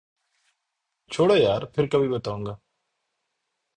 چھوڑو یار ، پھر کبھی بتاؤں گا۔